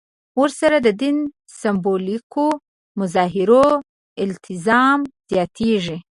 ورسره د دین سېمبولیکو مظاهرو التزام زیاتېږي.